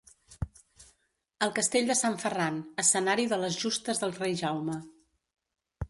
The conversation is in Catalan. El Castell de Sant Ferran, escenari de les Justes del Rei Jaume.